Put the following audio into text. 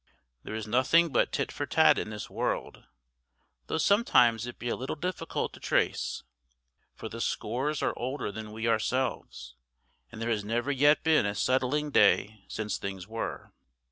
There is nothing but tit for tat in this world, though sometimes it be a little difficult to trace: for the scores are older than we ourselves, and there has never yet been a settling day since things were.